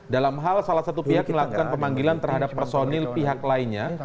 dalam hal salah satu pihak melakukan pemanggilan terhadap personil pihak lainnya